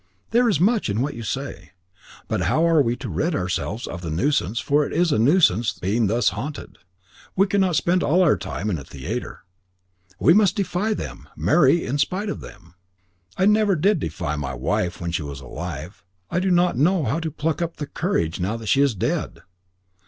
"There is much in what you say. But how are we to rid ourselves of the nuisance for it is a nuisance being thus haunted. We cannot spend all our time in a theatre." "We must defy them. Marry in spite of them." "I never did defy my wife when she was alive. I do not know how to pluck up courage now that she is dead.